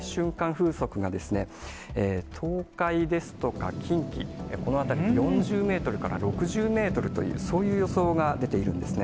風速が東海ですとか近畿、この辺りで４０メートルから６０メートルという、そういう予想が出ているんですね。